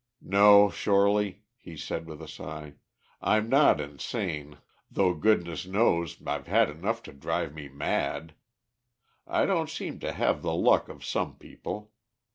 "No, Shorely," he said, with a sigh. "I'm not insane, though, goodness knows, I've had enough to drive me mad. I don't seem to have the luck of some people.